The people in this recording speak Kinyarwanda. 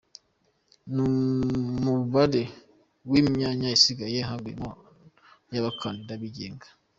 n’umubare w’imyanya isigaye havuyemo iy’abakandida bigenga